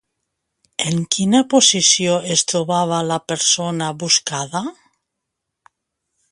En quina posició es trobava la persona buscada?